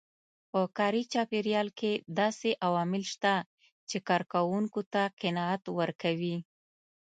په کاري چاپېريال کې داسې عوامل شته چې کار کوونکو ته قناعت ورکوي.